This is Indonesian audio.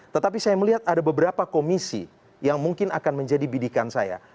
tetapi saya melihat ada beberapa komisi yang mungkin akan menjadi bidikan saya